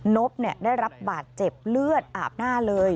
นบได้รับบาดเจ็บเลือดอาบหน้าเลย